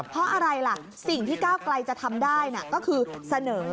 เพราะอะไรล่ะสิ่งที่ก้าวไกลจะทำได้ก็คือเสนอ